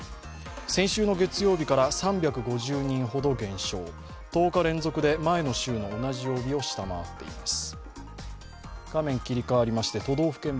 先週の月曜日から３５０人ほど減少、１０日連続で前の週の同じ曜日を下回っています。